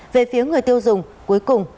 về phía người tiêu dùng cuối cùng